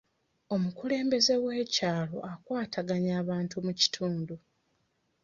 Omukulembeze w'ekyalo akwataganya abantu mu kitundu.